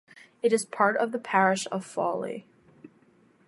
It is part of the parish of Fawley.